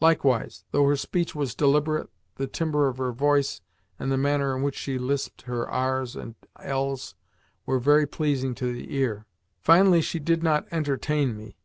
Likewise, though her speech was deliberate, the timbre of her voice, and the manner in which she lisped her r's and l's, were very pleasing to the ear. Finally, she did not "ENTERTAIN" me.